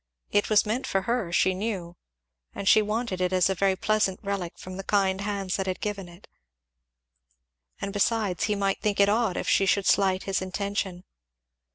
It was meant for her she knew, and she wanted it as a very pleasant relic from the kind hands that had given it; and besides, he might think it odd if she should slight his intention.